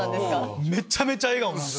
めちゃめちゃ笑顔です